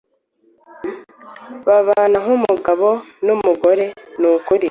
babana nk’umugabo n’umugore nukuri